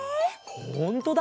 ほんとだ！